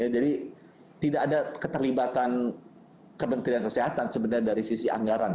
jadi tidak ada keterlibatan kementerian kesehatan sebenarnya dari sisi anggaran